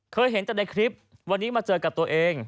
เคยเห็นแต่ในคลิปวันนี้มาเจอกับตัวเอง